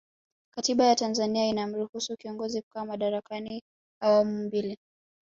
katiba ya tanzania inamruhusu kiongozi kukaa madarakani awamu mbili